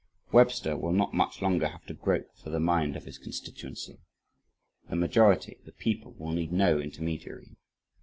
Webster will not much longer have to grope for the mind of his constituency. The majority the people will need no intermediary.